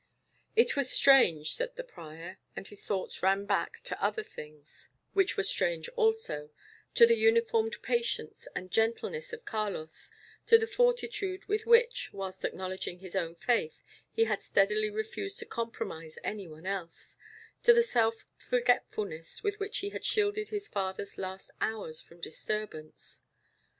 "It was strange," said the prior, and his thoughts ran back to other things which were strange also to the uniform patience and gentleness of Carlos; to the fortitude with which, whilst acknowledging his own faith, he had steadily refused to compromise any one else; to the self forgetfulness with which he had shielded his father's last hours from disturbance.